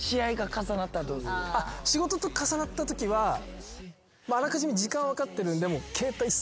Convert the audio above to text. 仕事と重なったときはあらかじめ時間分かってるんで。